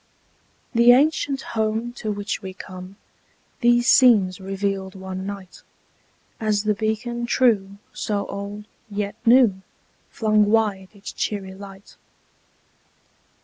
The ancient home to which we come These scenes revealed one night; As the beacon true, so old, yet new, Flung wide its cheery light.